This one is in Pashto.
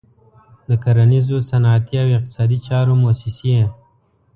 د کرنیزو، صنعتي او اقتصادي چارو موسسې.